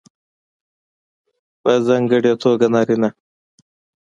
په ځانګړې توګه نارینه